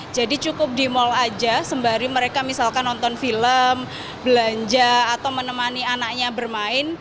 jadi cukup di mall saja sembari mereka misalkan nonton film belanja atau menemani anaknya bermain